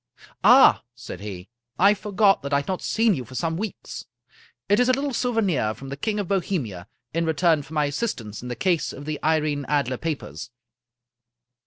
" Ah !" said he, I forgot that I had not seen you for some weeks. It is a little souvenir from the King of Bo hemia, in return for my assistance in the case of the Irene Adler papers."